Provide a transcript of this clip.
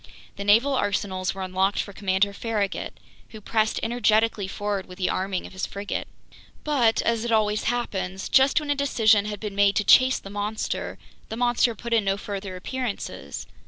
The naval arsenals were unlocked for Commander Farragut, who pressed energetically forward with the arming of his frigate. But, as it always happens, just when a decision had been made to chase the monster, the monster put in no further appearances.